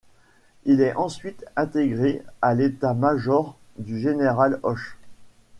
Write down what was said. Il est ensuite intégré à l'état-major du général Hoche.